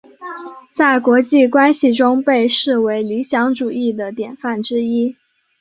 在国际关系中被视为理想主义的典范之一。